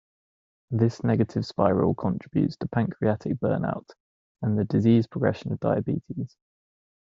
This negative spiral contributes to pancreatic burnout, and the disease progression of diabetes.